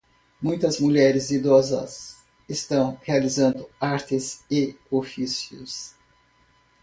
muitas mulheres idosas estão realizando artes e ofícios